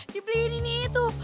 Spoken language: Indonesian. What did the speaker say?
dibeliin ini itu